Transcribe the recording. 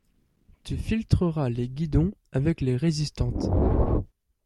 Tu filtreras les guidons avec les résistantes.